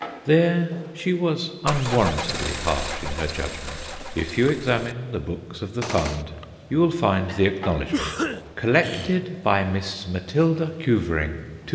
There she was unwarrantably harsh in her judgment. If you examine the books of the fund you will find the acknowledgment: "Collected by Miss Matilda Cuvering, 2s.